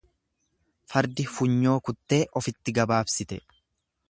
Fardi funyoo kuttee ofitti gabaabsite.